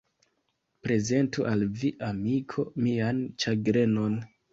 Prezentu al vi, amiko, mian ĉagrenon!